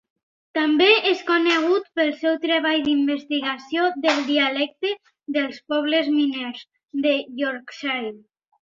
També és conegut pel seu treball d'investigació del dialecte dels "pobles miners" de Yorkshire.